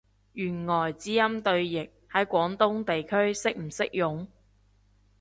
弦外之音對譯，喺廣東地區適唔適用？